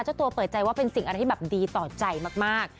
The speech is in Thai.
เจ้าตัวเปิดใจว่าเป็นสิ่งอะไรที่แบบดีต่อใจมาก